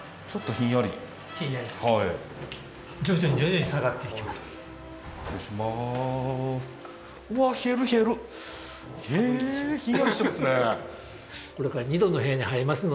ひんやりしてますね。